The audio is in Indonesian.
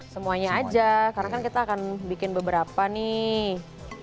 semuanya aja karena kan kita akan bikin beberapa nih